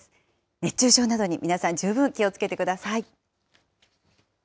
熱中症などに皆さん、十分気をつけてください。